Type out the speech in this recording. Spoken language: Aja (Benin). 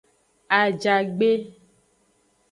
Ajagbe.